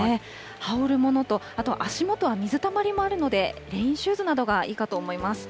羽織るものと、あと、足元は水たまりもあるので、レインシューズなどがいいかと思います。